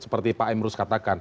seperti pak emrus katakan